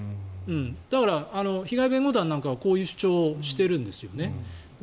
だから被害弁護団なんかはこういう主張をしているんです。